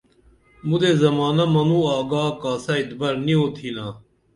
مُدے زمانہ منوں آگا کاسہ اتبر نی اوتِھنا